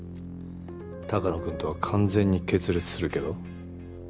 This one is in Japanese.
鷹野君とは完全に決裂するけど？